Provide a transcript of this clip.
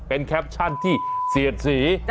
เป็นแคปชั่นที่เสียดสี